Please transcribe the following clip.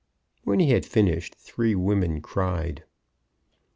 When he had finished three women cried.